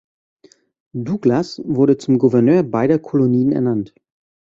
Douglas wurde zum Gouverneur beider Kolonien ernannt.